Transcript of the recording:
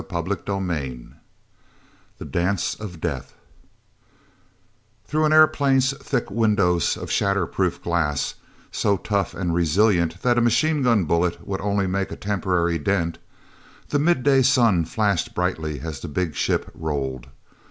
CHAPTER XVIII The Dance of Death hrough an airplane's thick windows of shatter proof glass, so tough and resilient that a machine gun bullet would only make a temporary dent, the midday sun flashed brightly as the big ship rolled.